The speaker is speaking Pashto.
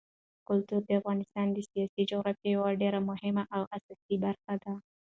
کلتور د افغانستان د سیاسي جغرافیې یوه ډېره مهمه او اساسي برخه ده.